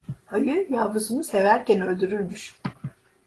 Ayı yavrusunu severken öldürürmüş.